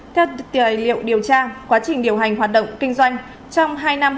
theo tài liệu điều tra quá trình điều hành hoạt động kinh doanh trong hai năm